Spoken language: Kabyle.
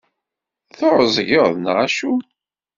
Tεeẓgeḍ neɣ acu?